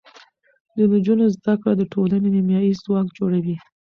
د نجونو زده کړه د ټولنې نیمایي ځواک جوړوي.